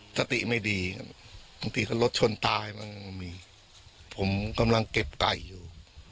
สติไม่ดีสติไม่ดีบางทีเขารถชนตายมากมายมีผมกำลังเก็บไก่อยู่